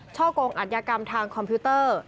กงอัธยากรรมทางคอมพิวเตอร์